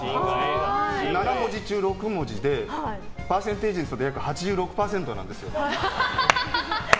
７文字中６文字でパーセンテージにすると約８６％なんですよ。